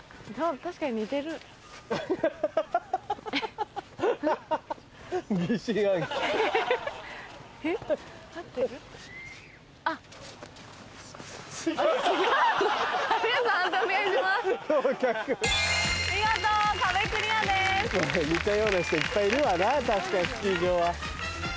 確かにスキー場は。